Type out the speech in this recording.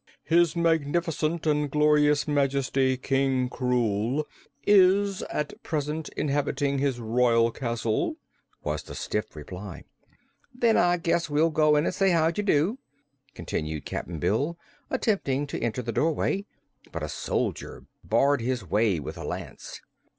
"His Magnificent and Glorious Majesty, King Krewl, is at present inhabiting his Royal Castle," was the stiff reply. "Then I guess we'll go in an' say how d'ye do," continued Cap'n Bill, attempting to enter the doorway. But a soldier barred his way with a lance.